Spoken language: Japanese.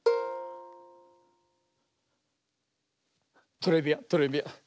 トレビアントレビアン。